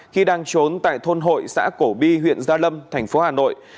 khi đang trốn tại thôn hội xã cổ bi huyện gia lâm thành phố hà nội